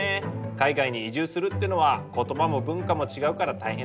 海外に移住するってのは言葉も文化も違うから大変ですよね。